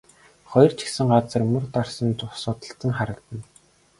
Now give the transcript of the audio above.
Хоёр ч хэсэг газар мөр дарсан үе судалтан харагдана.